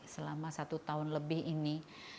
selama satu tahun lebih ini